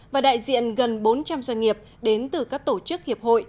và đại diện gần bốn trăm linh doanh nghiệp đến từ các tổ chức hiệp hội